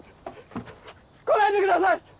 来ないでください！